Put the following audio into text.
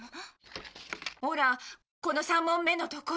ほらこの３問目のところ。